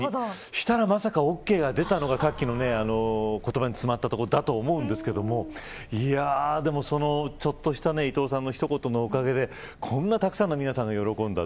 そしたらまさかオーケーが出たのがさっきの言葉に詰まったとこだと思うんですけどでも、そのちょっとした伊藤さんの一言のおかげでこんなにたくさんの人々が喜んだ。